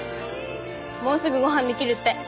もうすぐご飯できるって。